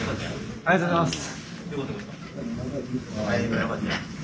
ありがとうございます。